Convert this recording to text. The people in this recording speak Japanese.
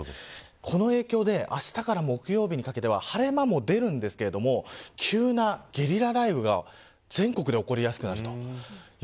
この影響で、あしから木曜日にかけては晴れ間も出るんですが急なゲリラ雷雨が全国で起こりやすくなります。